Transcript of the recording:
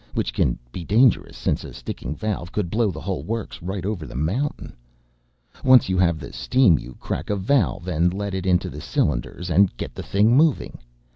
Which can be dangerous since a sticking valve could blow the whole works right over the mountain. "Once you have the steam you crack a valve to let it into the cylinders and get the thing moving.